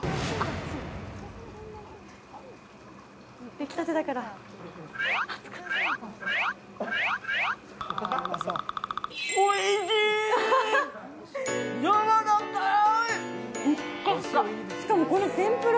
出来たてだから。